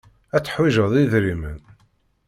Ad teḥwijeḍ idrimen.